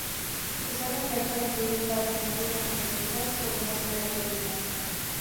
Se suele emplear para impedir el paso de navíos enemigos por una zona determinada.